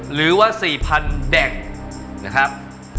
หรือว่า๔๐๐๐แด่งนะครับ